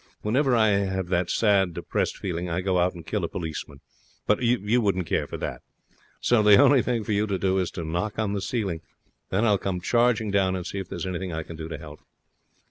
Whenever I have that sad, depressed feeling, I go out and kill a policeman. But you wouldn't care for that. So the only thing for you to do is to knock on the ceiling. Then I'll come charging down and see if there's anything I can do to help.'